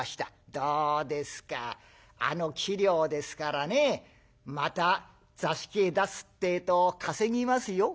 どうですかあの器量ですからねまた座敷へ出すってえと稼ぎますよ。